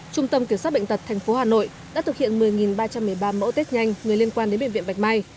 trung tâm kiểm soát bệnh tật tp hcm đã thực hiện một mươi ba trăm một mươi ba mẫu tết nhanh người liên quan đến bệnh viện bạch mai